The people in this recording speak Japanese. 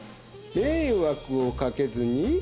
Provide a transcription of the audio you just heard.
「迷惑をかけずに」？